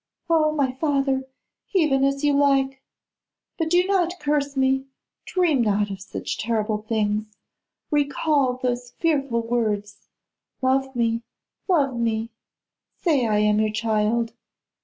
'Oh! my father, even as you like. But do not curse me; dream not of such terrible things; recall those fearful words; love me, love me; say I am your child.